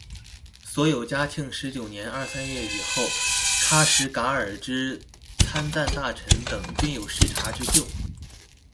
所有嘉庆十九年二三月以后喀什噶尔之参赞大臣等均有失察之咎。